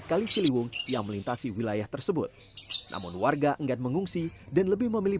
kali ciliwung yang melintasi wilayah tersebut namun warga enggan mengungsi dan lebih memilih